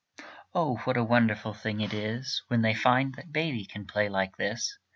Oh, what a wonderful thing it is, When they find that baby can play like this!